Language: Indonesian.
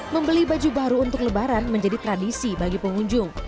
membeli baju baru untuk lebaran menjadi tradisi bagi pengunjung